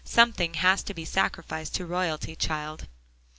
Something has to be scarified to royalty, child."